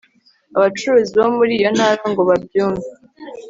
abacuruzi bo muri iyo ntara ngo babyumve